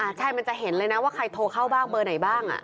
ใช่มันจะเห็นเลยนะว่าใครโทรเข้าบ้างเบอร์ไหนบ้าง